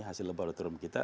hasilnya baru turun kita